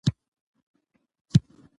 د موضوع په انتخاب کې باید دقت وشي.